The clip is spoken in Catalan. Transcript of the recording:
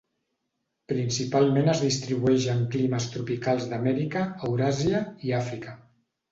Principalment es distribueix en climes tropicals d'Amèrica, Euràsia i Àfrica.